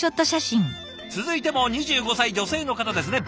続いても２５歳女性の方ですね。